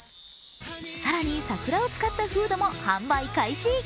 更に桜を使ったフードも販売開始。